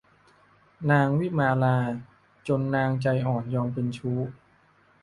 นางวิมาลาจนนางใจอ่อนยอมเป็นชู้